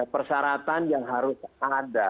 persyaratan yang harus ada